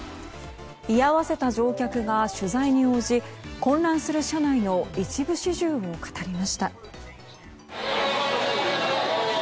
居合わせた乗客が取材に応じ混乱する車内の一部始終を語りました。